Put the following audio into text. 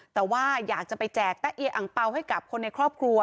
แต่ว่าอยากจะไปแจกตะเอียอังเปล่าให้กับคนในครอบครัว